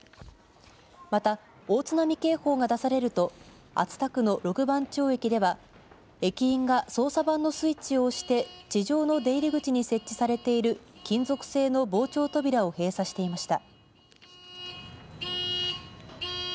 また、大津波警報が出されると熱田区の六番町駅では駅員が操作盤のスイッチを押して地上の出入り口に設置されている金属製の防潮扉を閉鎖していました。